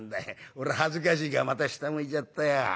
俺恥ずかしいからまた下向いちゃったよ。